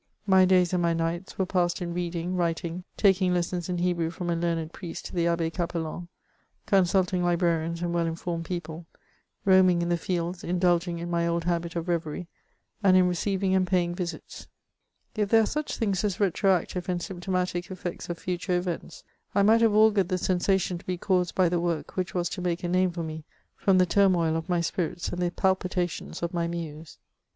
My days and my nights were passed in reading, writing, taking lessons in He brew fiKMn a learned priest, the Abbe Capelan, consulting librarians and well informed people, roaming in the fields in dulging in my old habit of reverie, and in receiving and pay ing visits* If there are such things as retroactive and symptom atic effects of future events, I might have augured the sen sation to be caused by the work which was to make a name for me, fix>m the turmoil of my spirits and the palpitations of my muse.